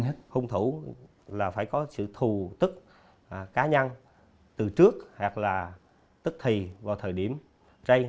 hết hung thủ là phải có sự thù tức cá nhân từ trước hoặc là tức thì vào thời điểm